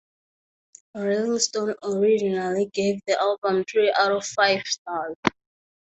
"Rolling Stone" originally gave the album three out of five stars.